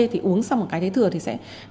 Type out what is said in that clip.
thì uống xong một cái thấy thừa thì sẽ